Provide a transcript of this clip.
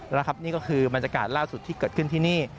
แล้วครับนี่ก็คือบรรยากาศล่าสุดที่เกิดขึ้นที่นี่